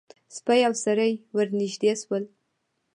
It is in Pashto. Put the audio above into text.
سپی او سړی ور نږدې شول.